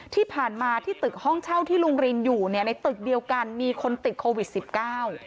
ที่ผ่านมาที่ตึกห้องเช่าที่ลุงรินอยู่เนี่ยในตึกเดียวกันมีคนติดโควิดสิบเก้า